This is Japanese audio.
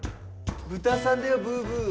ブタさんだよブーブー。